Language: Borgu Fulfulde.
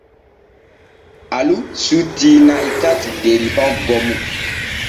Alu sutti na'i tati der hoggo mum.